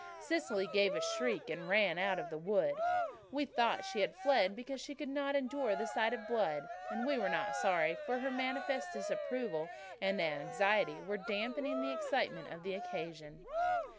Cecily gave a shriek and ran out of the wood. We thought she had fled because she could not endure the sight of blood, and we were not sorry, for her manifest disapproval and anxiety were damping the excitement of the occasion.